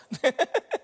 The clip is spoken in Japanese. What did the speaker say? ハハハ。